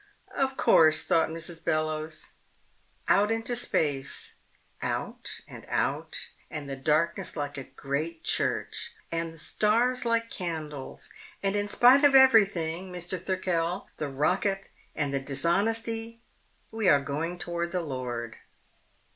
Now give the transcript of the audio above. Of course, thought Mrs. Bellowes. _Out into space. Out and out, and the darkness like a great church, and the stars like candles, and in spite of everything, Mr. Thirkell, the rocket, and the dishonesty, we are going toward the Lord.